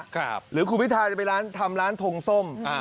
ครับหรือครูพิธาจะไปร้านทำร้านทงส้มอ่า